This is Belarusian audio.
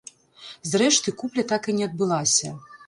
Зрэшты купля так і не адбылася.